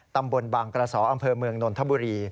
ตำบลบางกระสออำเภอเมืองนนทบุรี